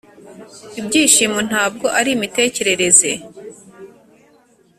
ibyishimo ntabwo ari imitekerereze,